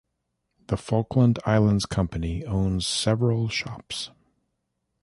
The Falkland Islands Company owns several shops.